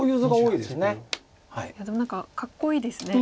いやでも何かかっこいいですね。